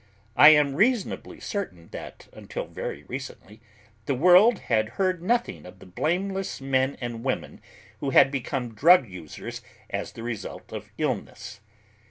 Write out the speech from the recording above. I am reasonably certain that until very recently the world had heard nothing of the blameless men and women who had become drug users as the result of illness.